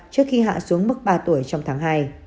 trước khi hạ xuống mức ba tuổi trong tháng hai